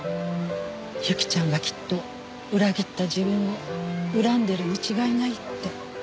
侑希ちゃんがきっと裏切った自分を恨んでいるに違いないって。